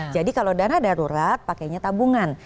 jadi kalau dana darurat pakainya tabungan